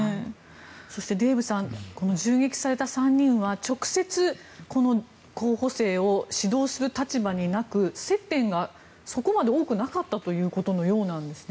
そして、デーブさん銃撃された３人は直接、この候補生を指導する立場になく接点がそこまで多くなかったということのようですね。